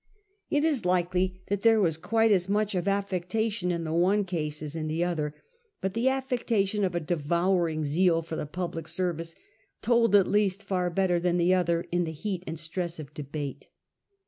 It is likely 1837. LORD BROUGHAM. SI that there was quite as much of affectation in the one case as in the other ; but the affectation of a devour ing zeal for the public service told at least far better than the other in the heat and stress of debate.